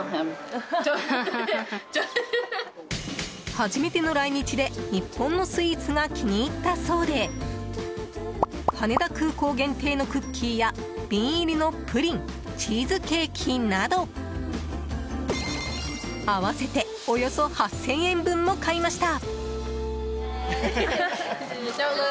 初めての来日で日本のスイーツが気に入ったそうで羽田空港限定のクッキーや瓶入りのプリンチーズケーキなど合わせて、およそ８０００円分も買いました。